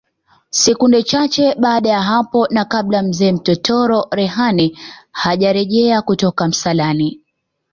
Sekunde chache baada ya hapo na kabla Mzee Mtoro Rehani hajarejea kutoka msalani